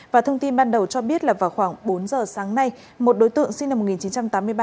và thông tin ban đầu cho biết là vào khoảng bốn giờ sáng nay một đối tượng sinh năm một nghìn chín trăm tám mươi ba